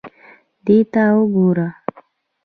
دې ته وګوره.